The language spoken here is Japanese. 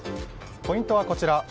ポイントはこちら。